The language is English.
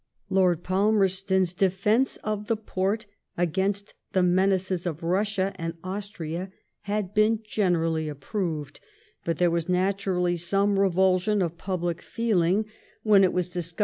LordPalmer ston's defence of the Porte against the menaces of Bussia and Austria had been generally approved, but there was naturally some revulsion of public feeling when it was 9 * 182 LIPB OF nSCOUKT PALMEESTON.